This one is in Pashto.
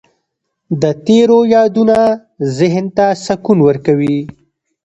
د تېرو یادونه ذهن ته سکون ورکوي.